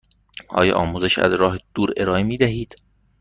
آیا آموزش از راه دور ارائه می دهید؟